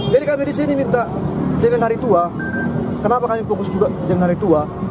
jadi kami di sini minta jangan hari tua kenapa kami fokus juga jangan hari tua